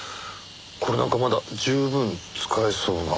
これなんかまだ十分使えそうな。